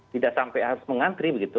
tidak sampai harus mengantri begitu